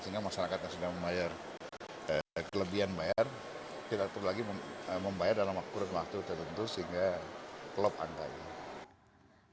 sehingga masyarakat yang sudah membayar kelebihan bayar tidak perlu lagi membayar dalam kurun waktu tertentu sehingga klop angkanya